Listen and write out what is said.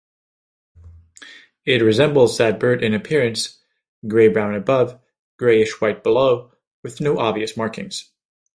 It resembles that bird in appearance, grey-brown above, greyish-white below, with no obvious markings.